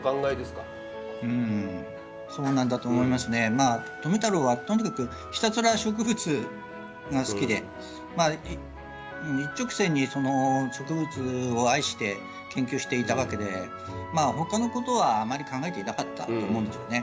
まあ富太郎はとにかくひたすら植物が好きで一直線にその植物を愛して研究していたわけでまあほかのことはあまり考えていなかったと思うんですよね。